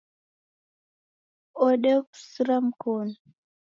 Odew'usira Mkonu